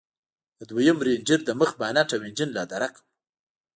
د دويم رېنجر د مخ بانټ او انجن لادرکه و.